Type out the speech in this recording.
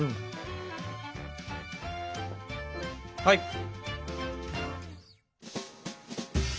はい。